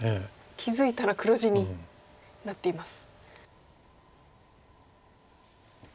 気付いたら黒地になっています。